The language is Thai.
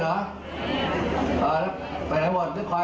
ทุกภาคการต้องมาช่วยกัน